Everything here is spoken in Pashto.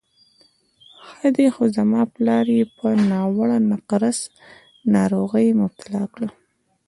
ښه دی، خو زما پلار یې په ناوړه نقرس ناروغۍ مبتلا کړ.